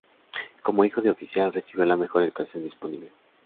Como hijo de oficial, recibió la mejor educación disponible.